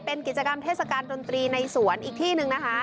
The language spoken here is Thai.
เป็นกิจกรรมเทศกาลดนตรีในสวนอีกที่หนึ่งนะคะ